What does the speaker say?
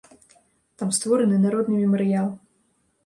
Там створаны народны мемарыял.